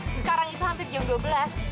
sekarang itu hampir jam dua belas